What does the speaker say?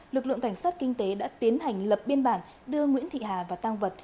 lực lượng cảnh sát kinh tế đã tiến hành lập biên bản đưa nguyễn thị hà và tăng vật